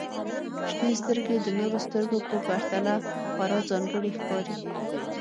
• شنې سترګې د نورو سترګو په پرتله خورا ځانګړې ښکاري.